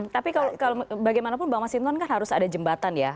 tapi kalau bagaimanapun mbak mas simlon kan harus ada jembatan ya